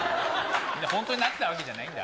本当になってたわけじゃないんだよ。